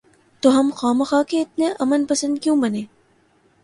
تو ہم خواہ مخواہ کے اتنے امن پسند کیوں بنیں؟